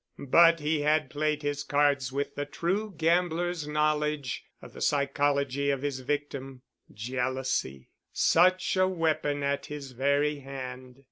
But he had played his cards with the true gambler's knowledge, of the psychology of his victim. Jealousy! Such a weapon at his very hand.